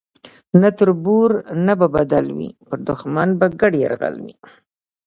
نه تربور نه به بدل وي پر دښمن به ګډ یرغل وي